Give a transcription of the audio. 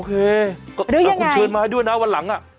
คุณเชิญมาให้ด้วยนะวันหลัง